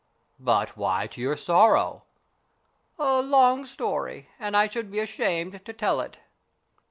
" But why to your sorrow ?"" A long story, and I should be ashamed to tell it."